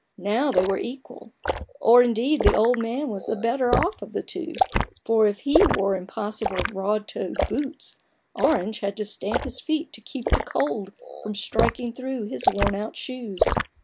Now they were equal : or indeed the old man was the better off of the two : for if he wore impossible broad toed boots, Orange had to stamp his feet to keep the cold from striking through his worn out shoes.